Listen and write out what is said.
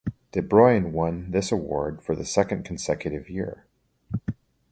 De Bruyne won this award for the second consecutive year.